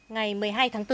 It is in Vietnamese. ngày một mươi hai tháng bốn